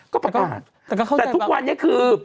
ก็ประกาศแต่ทุกวันนี้คือ